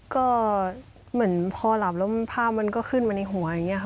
ก็เหมือนพอหลับแล้วภาพมันก็ขึ้นมาในหัวอย่างนี้ค่ะ